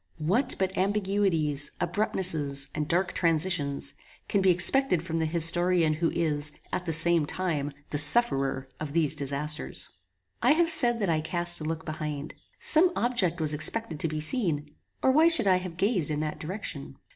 What but ambiguities, abruptnesses, and dark transitions, can be expected from the historian who is, at the same time, the sufferer of these disasters? I have said that I cast a look behind. Some object was expected to be seen, or why should I have gazed in that direction?